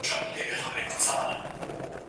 زه کولای سم ږغ واورم؟